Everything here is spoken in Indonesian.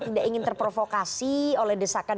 tidak ingin terprovokasi oleh desakan